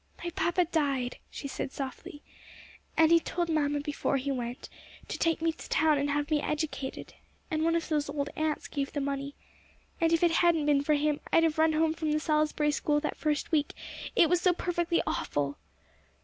"My papa died," she said softly, "and he told mamma before he went, to take me to town and have me educated. And one of those old aunts gave the money. And if it hadn't been for him, I'd have run home from the Salisbury School that first week, it was so perfectly awful."